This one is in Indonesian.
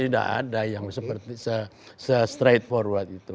tidak ada yang seperti se straight forward itu